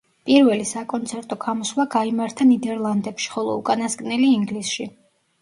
პირველი საკონცერტო გამოსვლა გაიმართა ნიდერლანდებში, ხოლო უკანასკნელი ინგლისში.